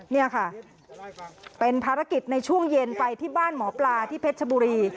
นี่ค่ะเป็นภารกิจในช่วงเย็นไปที่บ้านหมอปลาที่เพชรชบุรี